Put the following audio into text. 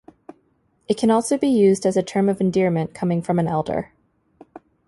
It can also be used as a term of endearment coming from an elder.